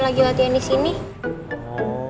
lagi latihan di sini